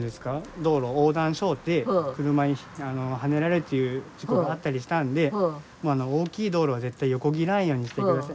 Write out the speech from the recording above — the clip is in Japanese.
道路横断しょうて車にはねられるという事故があったりしたんで大きい道路は絶対横切らんようにしてください。